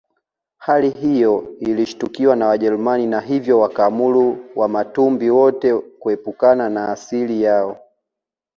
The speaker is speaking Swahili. Hali hiyo ilishtukiwa na Wajerumani na hivyo wakaamuru Wamatumbi wote kuepukana na asili yao